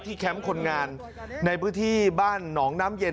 แคมป์คนงานในพื้นที่บ้านหนองน้ำเย็น